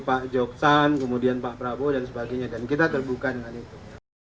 pak joksan kemudian pak prabowo dan sebagainya dan kita terbuka dengan itu